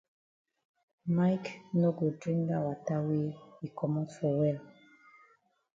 Mike no go drink dat wata wey yi komot for well.